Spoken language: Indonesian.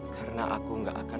karena aku nggak akan